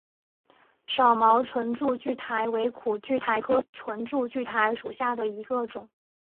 少毛唇柱苣苔为苦苣苔科唇柱苣苔属下的一个种。